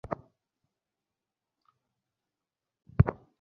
নিয়মিত মডেলিংয়ের পাশাপাশি নানা ধরনের সামাজিক কাজের সঙ্গেও যুক্ত আছেন তিনি।